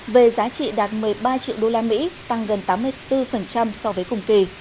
về giá trị đạt một mươi ba triệu usd tăng gần tám mươi bốn so với cùng kỳ